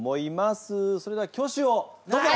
それでは挙手をどうぞ！